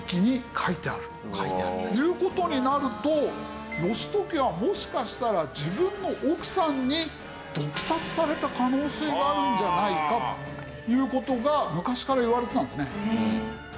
という事になると義時はもしかしたら自分の奥さんに毒殺された可能性があるんじゃないかという事が昔からいわれてたんですね。